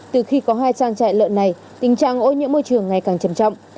từ khi có hai trang trại lợn này tình trạng ô nhiễm môi trường ngày càng trầm trọng